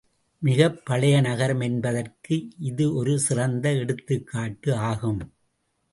மிகப் பழைய நகரம் என்பதற்கு இது ஒரு சிறந்த எடுத்துக்காட்டு ஆகும்.